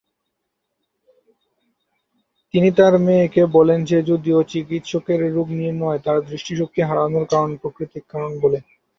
তিনি তার মেয়েকে বলেন যে, যদিও চিকিৎসকের রোগ নির্ণয় তার দৃষ্টিশক্তি হারানোর কারণ প্রাকৃতিক কারণ বলে।